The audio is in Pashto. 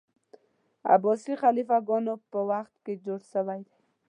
عباسي خلیفه ګانو په وخت کي جوړ سوی دی.